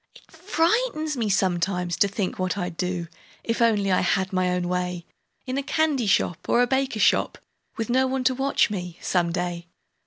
It frightens me sometimes, to think what I'd do, If only I had my own way In a candy shop or a baker shop, Witn no one to watch me, some day.